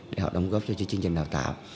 để họ đóng góp cho chương trình đào tạo